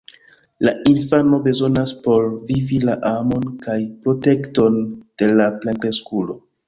La infano bezonas por vivi la amon kaj protekton de la plenkreskulo.